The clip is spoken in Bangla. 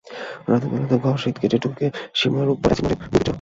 রাতের বেলা ঘরে সিঁদ কেটে ঢুকে সীমার ওপর অ্যাসিড মারে দুর্বৃত্তরা।